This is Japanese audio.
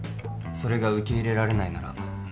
それが受け入れられないなら